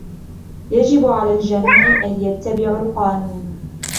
يجب على الجميع أن يتبعوا القانون.